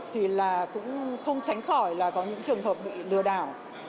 thì là cũng không tránh khỏi là có những trường hợp bị lừa đảo